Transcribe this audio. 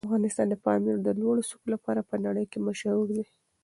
افغانستان د پامیر د لوړو څوکو لپاره په نړۍ مشهور دی.